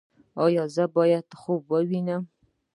ایا زه باید خوب ووینم؟